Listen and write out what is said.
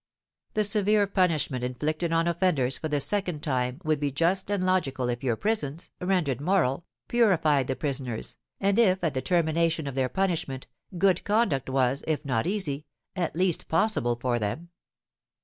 The severe punishment inflicted on offenders for the second time would be just and logical if your prisons, rendered moral, purified the prisoners, and if, at the termination of their punishment, good conduct was, if not easy, at least possible for them.